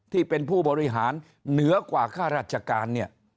ที่เป็นผู้บริหารเหนือกว่าค่าราชการเนี่ย